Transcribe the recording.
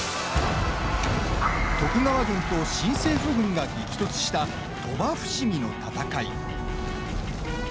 徳川軍と新政府軍が激突した鳥羽伏見の戦い。